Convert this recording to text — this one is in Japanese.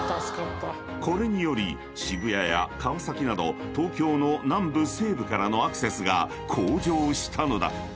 ［これにより渋谷や川崎など東京の南部・西部からのアクセスが向上したのだ］